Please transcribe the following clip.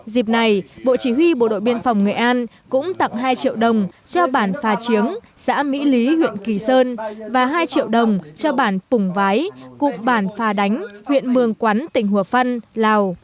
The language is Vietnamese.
dịp này bộ chỉ huy bộ đội biên phòng nghệ an cũng tặng hai triệu đồng cho bản phà chiếng xã mỹ lý huyện kỳ sơn và hai triệu đồng cho bản pùng vái cụm bản phà đánh huyện mường quán tỉnh hùa phân lào